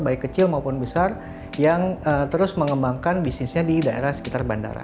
baik kecil maupun besar yang terus mengembangkan bisnisnya di daerah sekitar bandara